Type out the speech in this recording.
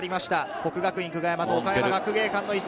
國學院久我山と岡山学芸館の一戦。